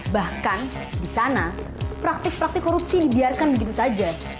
bahkan di sana praktik praktik korupsi dibiarkan begitu saja